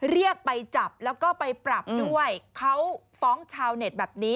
เรียกไปจับแล้วก็ไปปรับด้วยเขาฟ้องชาวเน็ตแบบนี้